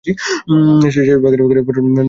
সে সময় যেন আমায় কেউ পত্র না লেখে এবং খোঁজ না করে।